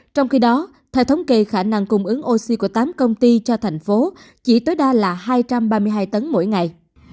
trong khi đó theo thống kê khả năng cung ứng oxy của tám công ty cho thành phố chỉ tối đa là hai trăm ba mươi hai tấn mỗi ngày